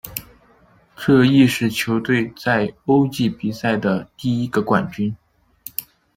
这亦是球队在洲际比赛的第一个冠军。